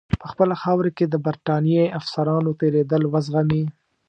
په خپله خاوره کې د برټانیې افسرانو تېرېدل وزغمي.